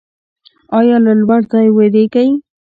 ایا له لوړ ځای ویریږئ؟